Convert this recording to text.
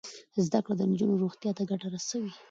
زده کړه د نجونو روغتیا ته ګټه رسوي.